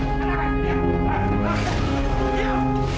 ibu jangan tinggalin bapak